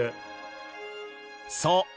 そう。